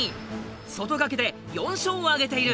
外掛けで４勝を挙げている。